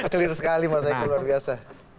clear sekali mas eko luar biasa